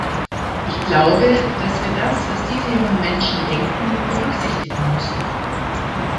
Ich glaube, dass wir das, was diese jungen Menschen denken, berücksichtigen müssen.